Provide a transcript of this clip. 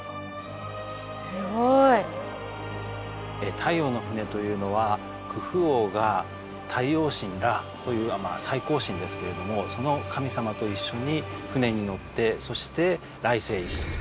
太陽の船というのはクフ王が太陽神ラーという最高神ですけれどもその神様と一緒に船に乗ってそして来世へ行く。